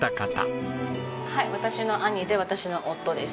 はい私の兄で私の夫です。